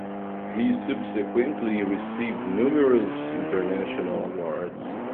He subsequently received numerous international awards.